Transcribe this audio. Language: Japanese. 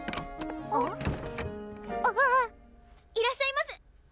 いらっしゃいませ。